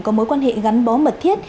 có mối quan hệ gắn bó mật thiết